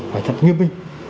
phải thật nghiêm binh